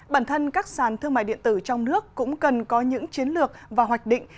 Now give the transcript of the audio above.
bản thân các sàn thương mại điện tử trong nước cũng cần có những chiến lược và hoạch định